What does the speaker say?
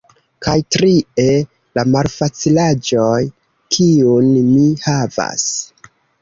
Kaj trie, la malfacilaĵoj, kiun mi havas.